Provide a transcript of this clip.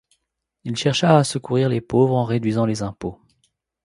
Il chercha à secourir les pauvres en réduisant les impôts.